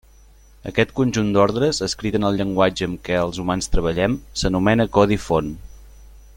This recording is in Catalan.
Aquest conjunt d'ordres, escrit en el llenguatge amb què els humans treballem, s'anomena codi font.